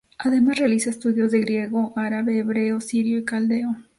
Además realiza estudios de griego, árabe, hebreo, sirio y caldeo.